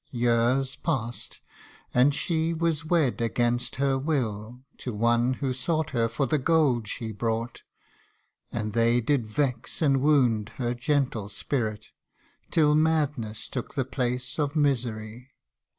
Years past ; and she was wed against her will, To one who sought her for the gold she brought, And they did vex and wound her gentle spirit, Till madness took the place of misery.